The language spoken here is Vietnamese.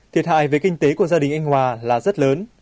thiệt hại về kinh tế của gia đình anh hòa là rất lớn